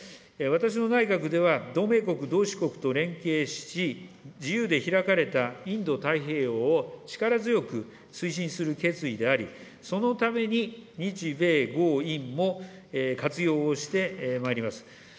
私の内閣では、同盟国、同志国と連携し、自由で開かれたインド太平洋を力強く推進する決意であり、そのために日米豪印も活用をしてまいります。